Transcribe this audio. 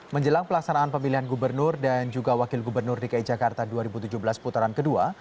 menjelang pelaksanaan pemilihan gubernur dan juga wakil gubernur dki jakarta dua ribu tujuh belas putaran kedua